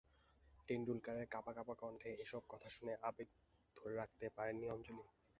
টেন্ডুলকারের কাঁপা কাঁপা কণ্ঠে এসব কথা শুনে আবেগ ধরে রাখতে পারেননি অঞ্জলি।